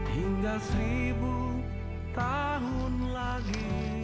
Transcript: hingga seribu tahun lagi